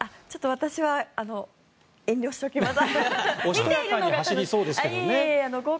私は遠慮しておきます。